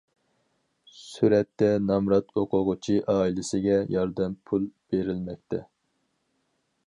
سۈرەتتە: نامرات ئوقۇغۇچى ئائىلىسىگە ياردەم پۇل بېرىلمەكتە.